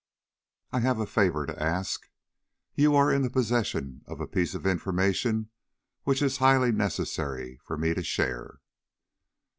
I have a favor to ask. You are in the possession of a piece of information which it is highly necessary for me to share."